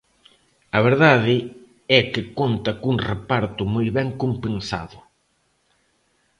A verdade é que conta cun reparto moi ben compensado.